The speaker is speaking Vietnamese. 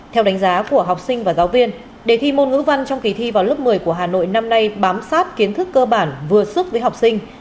theo đánh giá của học sinh và giáo viên đề thi môn ngữ văn trong kỳ thi vào lớp một mươi của hà nội năm nay bám sát kiến thức cơ bản vừa sức với học sinh